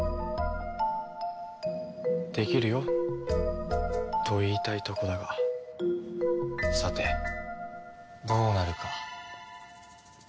できるよ。と言いたいとこだがさてどうなるか。